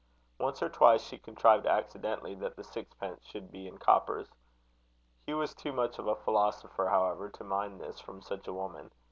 Once or twice she contrived accidentally that the sixpence should be in coppers. Hugh was too much of a philosopher, however, to mind this from such a woman.